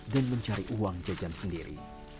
mencari uang jajan sendiri